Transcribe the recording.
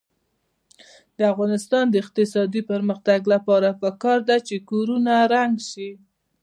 د افغانستان د اقتصادي پرمختګ لپاره پکار ده چې کورونه رنګ شي.